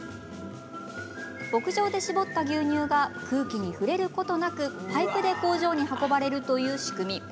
牧場で搾った牛乳が空気に触れることなくパイプで工場に運ばれるという仕組み。